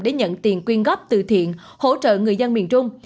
để nhận tiền quyên góp từ thiện hỗ trợ người dân miền trung